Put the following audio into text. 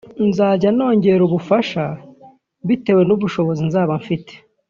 nzajya nongera ubufasha bitewe n’ubushobozi nzaba mfite